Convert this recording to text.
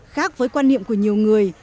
khác với quan niệm của nhiều người